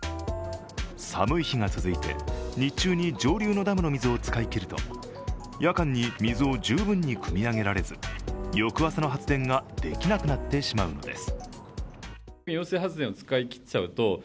寒い日が続いて日中に上流のダムの水を使い切ると、夜間に水を十分にくみ上げられず、翌朝の発電ができなくなってしまうのです。